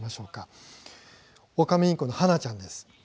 オカメインコのハナちゃんです。